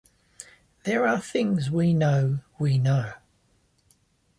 There are things we know we know.